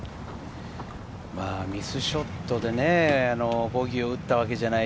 ミスショットでね、ボギーを打ったわけではない。